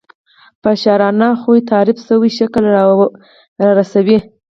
په شاعرانه خو تحریف شوي شکل رارسوي.